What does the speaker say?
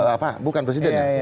apa bukan presiden ya